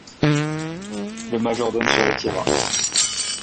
Le majordome se retira.